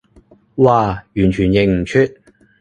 嘩，完全認唔出